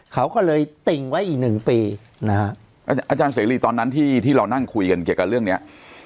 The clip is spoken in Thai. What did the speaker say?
เขาก็เลยติ่งไว้อีกหนึ่งปีนะฮะอาจารย์เสรีตอนนั้นที่ที่เรานั่งคุยกันเกี่ยวกับเรื่องเนี้ย